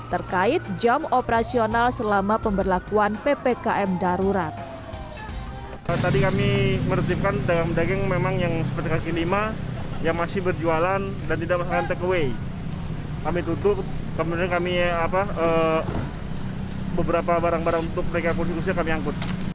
terkait jam operasional selama pemberlakuan ppkm darurat